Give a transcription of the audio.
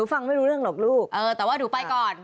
แต่ว่าหนูไปก่อน